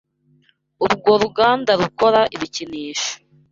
Urwo ruganda rukora ibikinisho.